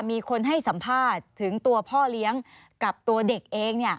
มีคนให้สัมภาษณ์ถึงตัวพ่อเลี้ยงกับตัวเด็กเอง